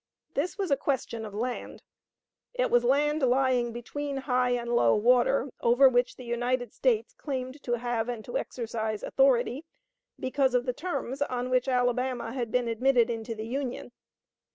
This was a question of land. It was land lying between high and low water, over which the United States claimed to have and to exercise authority, because of the terms on which Alabama had been admitted into the Union.